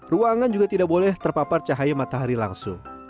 ruangan juga tidak boleh terpapar cahaya matahari langsung